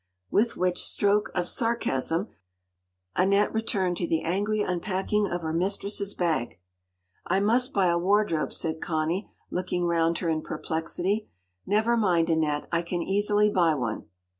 ” With which stroke of sarcasm, Annette returned to the angry unpacking of her mistress’s bag. “I must buy a wardrobe,” said Connie, looking round her in perplexity. “Never mind, Annette, I can easily buy one.